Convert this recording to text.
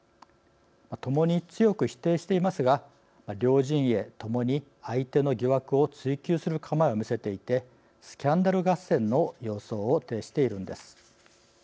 ともに強く否定していますが両陣営ともに相手の疑惑を追及する構えを見せていてスキャンダル合戦の様相を呈しているんです。